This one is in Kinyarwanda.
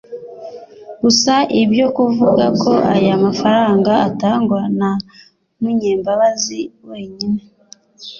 Gusa ibyo kuvuga ko aya mafaranga atangwa na Munyembabazi wenyine